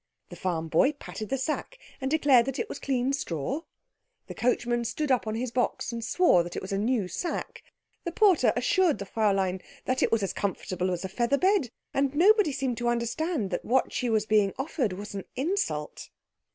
The farm boy patted the sack and declared that it was clean straw, the coachman stood up on his box and swore that it was a new sack, the porter assured the Fräulein that it was as comfortable as a feather bed, and nobody seemed to understand that what she was being offered was an insult.